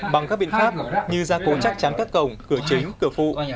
bằng các biện pháp như ra cố chắc tráng các cổng cửa chính cửa phụ